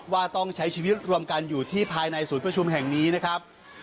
ว่าต้องใช้ชีวิตรวมกันอยู่ที่ภายในศูนย์ประชุมแห่งนี้นะครับ